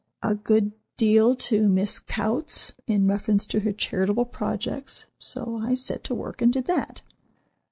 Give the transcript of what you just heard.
A good deal to Miss Coutts, in reference to her charitable projects; so I set to work and did that.